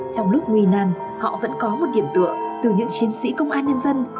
trong lúc nguy nan họ vẫn có một điểm tựa từ những chiến sĩ công an nhân dân